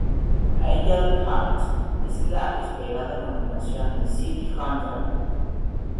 Angel Heart es la esperada continuación de "City Hunter".